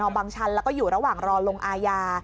บางชันแล้วก็อยู่ระหว่างรอลงอาญา